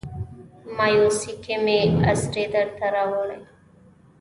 مایوسۍ کې مې اسرې درته راوړي